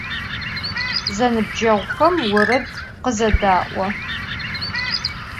Zenıbceğuxem vored khızeda'o.